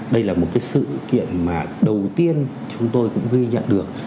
đây là một cái sự kiện mà đầu tiên chúng tôi cũng ghi nhận được